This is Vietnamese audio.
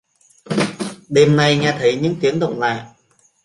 Đêm nay nghe thấy những tiếng động lạ